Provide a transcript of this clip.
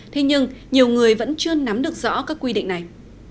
thế nhưng nhiều người vẫn chưa nắm được rõ các quy định này